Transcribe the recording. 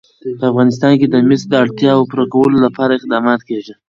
په افغانستان کې د مس د اړتیاوو پوره کولو لپاره اقدامات کېږي.